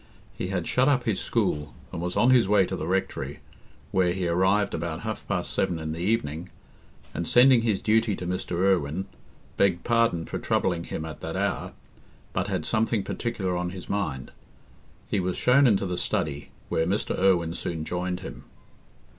He had shut up his school, and was on his way to the rectory, where he arrived about half past seven in the evening, and, sending his duty to Mr. Irwine, begged pardon for troubling him at that hour, but had something particular on his mind. He was shown into the study, where Mr. Irwine soon joined him.